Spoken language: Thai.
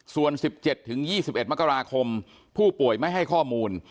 ส่วน๑๗๒๑มกราคมผู้ป่วยไม่ให้ข้อมูล